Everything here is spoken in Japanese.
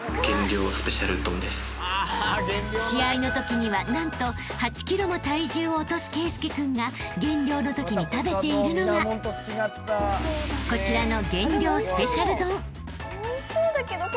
［試合のときには何と８ｋｇも体重を落とす圭佑君が減量のときに食べているのがこちらの］